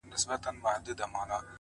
څه ژوند كولو ته مي پريږده كنه ;